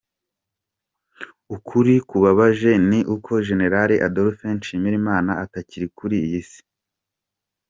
Ukuri kubabaje ni uko General Adolphe Nshimirimana atakiri kuri iyi si.